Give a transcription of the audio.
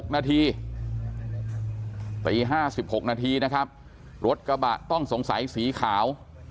๖นาทีตี๕๖นาทีนะครับรถกระบะต้องสงสัยสีขาว